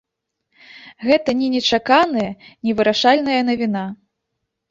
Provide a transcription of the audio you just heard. Гэта ні нечаканая, ні вырашальная навіна.